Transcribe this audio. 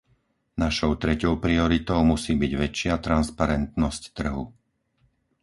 Našou treťou prioritou musí byť väčšia transparentnosť trhu.